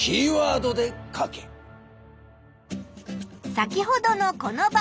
先ほどのこの場面。